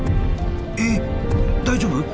えっ大丈夫？